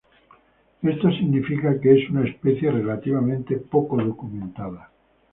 Esto significa que es una especie relativamente poco documentada.